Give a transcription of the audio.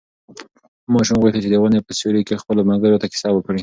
ماشوم غوښتل چې د ونې په سیوري کې خپلو ملګرو ته کیسې وکړي.